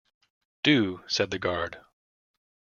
“Do,” said the guard.